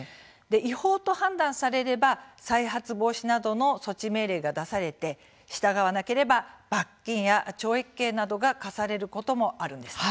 違法と判断されれば再発防止などの措置命令が出されて、従わなければ罰金や懲役刑などが科されることもあるんです。